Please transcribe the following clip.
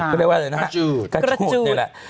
กระจูด